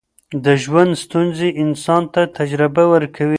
د ژوند ستونزې انسان ته تجربه ورکوي.